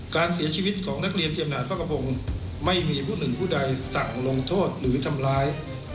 การเสียชีวิตของนักเรียนเจียดพระกระพงศ์ไม่มีผู้หนึ่งผู้ใดสั่งลงโทษหรือทำร้าย